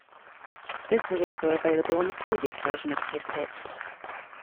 This was also available on the previous version of Kid Pix.